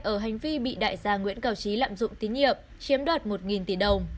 ở hành vi bị đại gia nguyễn cao trí lạm dụng tín nhiệm chiếm đoạt một tỷ đồng